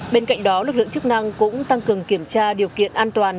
bên cạnh đó lực lượng chức năng cũng tăng cường kiểm tra điều kiện an toàn